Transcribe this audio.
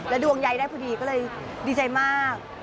ดวงใยได้พอดีก็เลยดีใจมาก